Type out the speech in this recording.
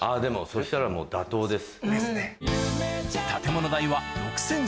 そしたらもう妥当です。